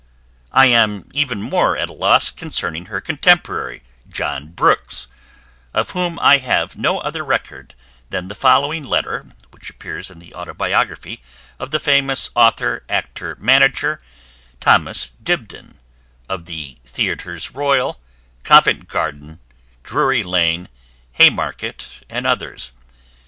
I am even more at a loss concerning her contemporary, John Brooks, of whom I have no other record than the following letter, which appears in the autobiography of the famous author actor manager, Thomas Dibdin, of the Theaters Royal, Covent Garden, Drury Lane, Haymarket and others.